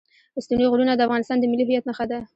ستوني غرونه د افغانستان د ملي هویت نښه ده.